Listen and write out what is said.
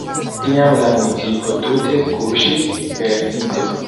Tiam la municipo tute kuŝis per cindro.